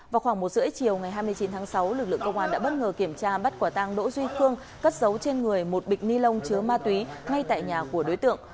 vào khoảng một h ba mươi chiều ngày hai mươi chín tháng sáu lực lượng công an đã bất ngờ kiểm tra bắt quả tăng đỗ duy khương cất dấu trên người một bịch ni lông chứa ma túy ngay tại nhà của đối tượng